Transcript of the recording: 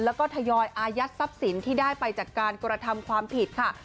แล้วก็ทยอยอายัดทรัพย์สินที่ได้ไปจากการกระทำความผิดค่ะ